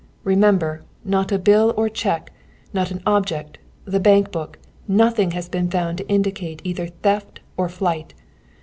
Remember, not a bill or cheque, not an object, the bank book, nothing has been found to indicate either theft or flight.